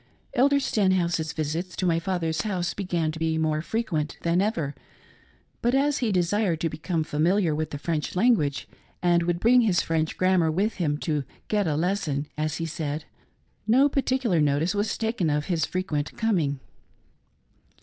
Elder Stenhouse's visits to my father's house began to be more frequent than ever, but as he desired to become familiar with the French language, and would bring his French gram mar with him " to get a lesson," as he said, no particular notice was taken of his frequent coming.